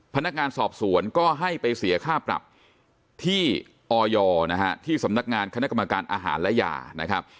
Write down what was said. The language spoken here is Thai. พนักงานสอบสวนก็ให้ไปเสียค่าปรับที่ออยนะฮะที่สำนักงานคณะกรรมการอาหารและยานะครับ